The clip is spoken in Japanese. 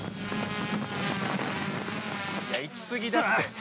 いや行き過ぎだって。